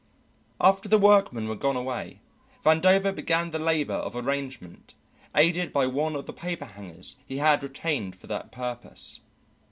After the workmen were gone away Vandover began the labour of arrangement, aided by one of the paperhangers he had retained for that purpose.